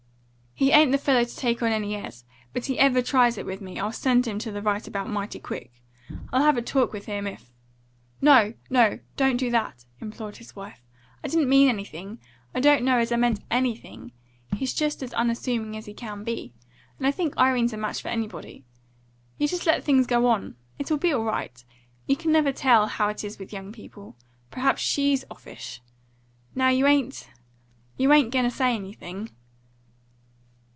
He ain't the fellow to take on any airs; but if he ever tries it with me, I'll send him to the right about mighty quick. I'll have a talk with him, if " "No, no; don't do that!" implored his wife. "I didn't mean anything. I don't know as I meant ANYthing. He's just as unassuming as he can be, and I think Irene's a match for anybody. You just let things go on. It'll be all right. You never can tell how it is with young people. Perhaps SHE'S offish. Now you ain't you ain't going to say anything?"